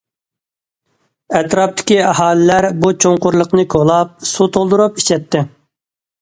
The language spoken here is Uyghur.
ئەتراپتىكى ئاھالىلەر بۇ چوڭقۇرلۇقنى كولاپ سۇ تولدۇرۇپ ئىچەتتى.